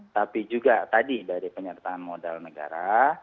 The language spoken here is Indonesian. tapi juga tadi dari penyertaan modal negara